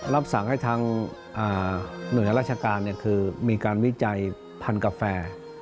รับสั่งให้ทางหน่วยราชการคือมีการวิจัยพันธุ์กาแฟ